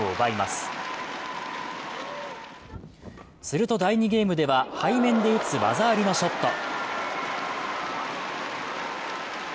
すると第２ゲームでは、背面で打つ技ありのショット。